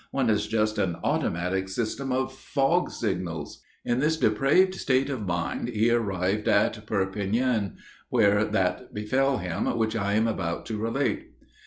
One is just an automatic system of fog signals!" In this depraved state of mind he arrived at Perpignan, where that befell him which I am about to relate.